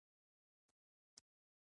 د بدخشان په کران او منجان کې څه شی شته؟